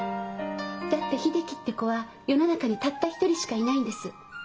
だって秀樹って子は世の中にたった一人しかいないんです。